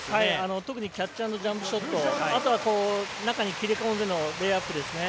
特にキャッチアンドジャンプショット中に切り込んでのレイアップですね。